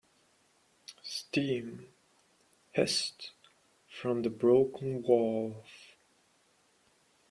Steam hissed from the broken valve.